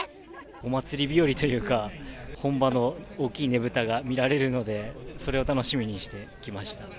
お祭り日和というか、本場の大きいねぶたが見られるのでそれを楽しみにして来ました。